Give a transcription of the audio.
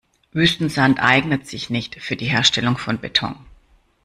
Wüstensand eignet sich nicht für die Herstellung für Beton.